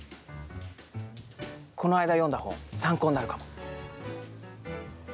この間読んだ本、参考になるかも。